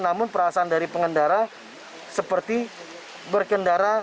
namun perasaan dari pengendara seperti berkendara